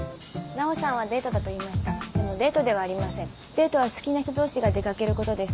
デートは好きな人同士が出かけることです。